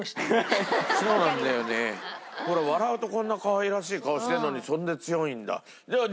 ほら笑うとこんな可愛らしい顔してるのにそれで強いんだ。